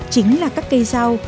chính là các cây rau